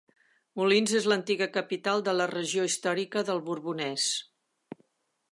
Moulins és l'antiga capital de la regió històrica del Borbonès.